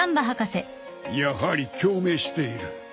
やはり共鳴している。